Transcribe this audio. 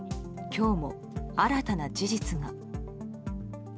今日も新たな事実が。